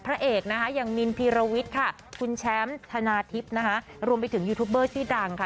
แล้วยังมีนพิรวิตค่ะคุณแชมพ์ธนาทิพย์รวมไปถึงยูทูบเบอร์ชื่อดังค่ะ